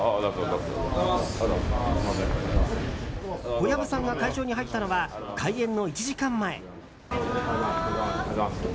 小籔さんが会場に入ったのは開演の１時間前。